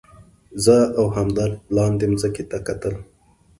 زه او همدرد لاندې مځکې ته کتل.